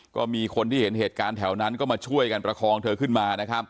ก็มีคนที่เห็นเหตุการณ์แถวนั้นก็มาช่วยกันประคองเธอขึ้นมานะครับ